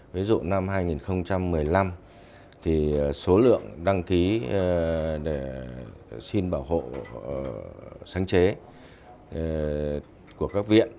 ví dụ năm hai nghìn một mươi năm thì số lượng đăng ký xin bảo hộ sáng chế của các viện